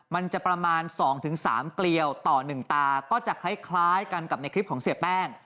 มันจะประมาณ๒๓เกลียวต่อ๑ตาก็จะคล้ายกันกับในคลิปของเสียแป้ง